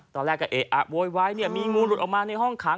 ตอนแรกก็เอ๊ะโว๊ยมีงูหลุดออกมาในห้องขัง